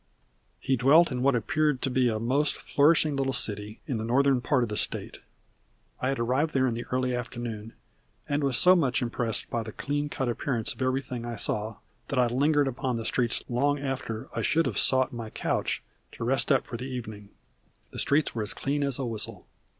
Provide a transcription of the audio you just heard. He dwelt in what appeared to be a most flourishing little city in the northern part of the State. I had arrived there early in the afternoon, and was so much impressed by the clean cut appearance of everything I saw that I lingered upon the streets long after I should have sought my couch to rest up for the evening. The streets were as clean as a whistle.